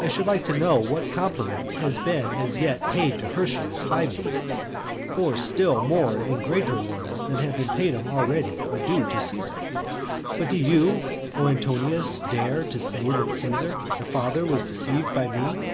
I should like to know what compliment has been as yet paid to Hirtius by me; for still more and greater ones than have been paid him already are due to Caesar. But do you, O Antonius, dare to say that Caesar, the father, was deceived by me?